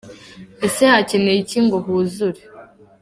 Ese hakeneye iki ngo huzure?